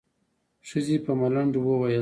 ښځې په ملنډو وويل.